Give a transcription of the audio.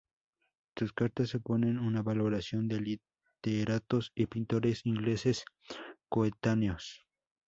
Sus cartas suponen una valoración de literatos y pintores ingleses coetáneos.